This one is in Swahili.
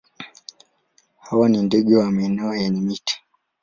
Hawa ni ndege wa maeneo yenye miti.